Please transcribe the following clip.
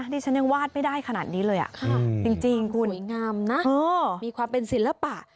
ดิฉันยังวาดไม่ได้ขนาดนี้เลยจริงคุณสวยงามนะมีความเป็นศิลปะ